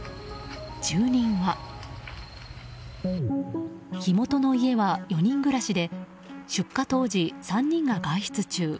住人は、火元の家は４人暮らしで出火当時、３人が外出中。